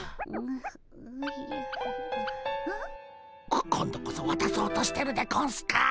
こ今度こそわたそうとしてるでゴンスか？